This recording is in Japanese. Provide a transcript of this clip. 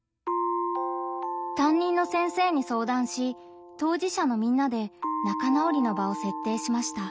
担任の先生に相談し当事者のみんなで仲直りの場を設定しました。